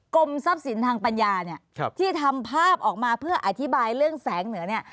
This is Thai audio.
กรมทรัพย์สินทางปัญญาเนี่ยที่ทำภาพออกมาเพื่ออธิบายเรื่องแสงเหนือเนี่ย